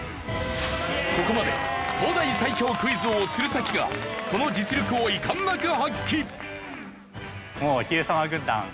ここまで東大最強クイズ王鶴崎がその実力を遺憾なく発揮。